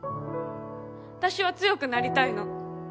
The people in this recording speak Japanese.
私は強くなりたいの。